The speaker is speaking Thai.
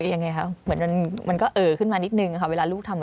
ยังไงคะเหมือนมันก็เออขึ้นมานิดนึงค่ะเวลาลูกทำอะไร